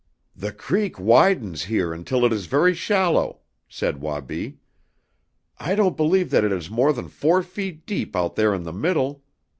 "The creek widens here until it is very shallow," said Wabi. "I don't believe that it is more than four feet deep out there in the middle.